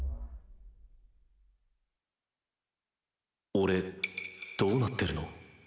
俺どうなってるの？